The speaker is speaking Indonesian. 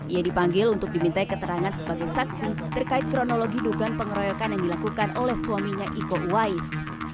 ia dipanggil untuk diminta keterangan sebagai saksi terkait kronologi dugaan pengeroyokan yang dilakukan oleh suaminya iko uwais